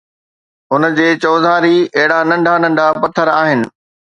ان جي چوڌاري اهڙا ننڍا ننڍا پٿر آهن